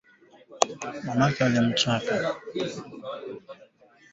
Kulikuwa na ongezeko la bei ya mafuta katika vituo vya kuuzia katika nchi nyingine za Afrika Mashariki